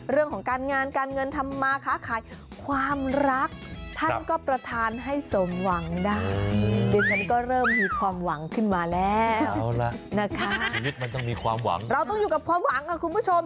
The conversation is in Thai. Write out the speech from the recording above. เราต้องอยู่กับความหวังคุณผู้ชม